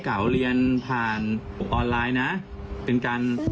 ถ้ามีอาหารก็ให้ก่อนเพลิน